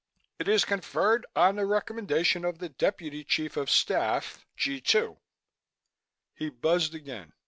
It is conferred on the recommendation of the Deputy Chief of Staff, G 2." He buzzed again.